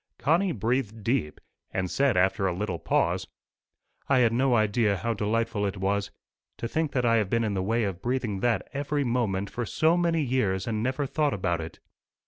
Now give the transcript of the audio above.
Connie breathed deep, and said after a little pause, "I had no idea how delightful it was. To think that I have been in the way of breathing that every moment for so many years and never thought about it!"